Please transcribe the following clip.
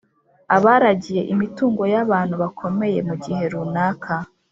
abaragiye imitungo y'abantu bakomeye)mu gihe runaka